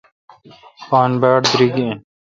پان باڑ دیریگ این۔